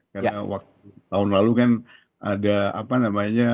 karena waktu tahun lalu kan ada apa namanya